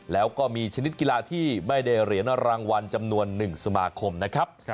แล้วก็มีชนิดกีฬาที่ไม่ได้เหรียญรางวัลจำนวน๑สมาคมนะครับ